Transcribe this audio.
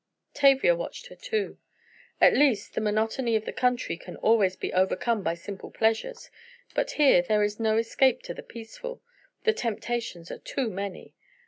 Tavia watched her too. "At least, the monotony of the country can always be overcome by simple pleasures, but here there is no escape to the peaceful—the temptations are too many.